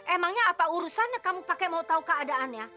emangnya apa urusannya kamu pakai mau tahu keadaannya